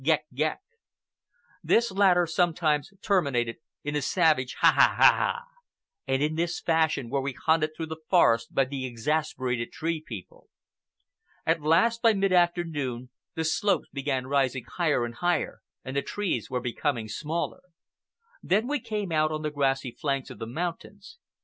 Goëk! Goëk!" This latter sometimes terminated in a savage "Ha ha ha ha haaaaa!!!" And in this fashion were we hunted through the forest by the exasperated Tree People. At last, by mid afternoon, the slopes began rising higher and higher and the trees were becoming smaller. Then we came out on the grassy flanks of the mountains.